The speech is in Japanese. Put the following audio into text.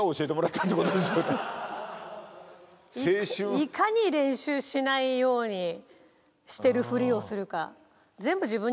いかに練習しないようにしてるふりをするか。